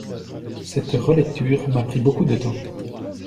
Cette relecture m'a pris beaucoup de temps.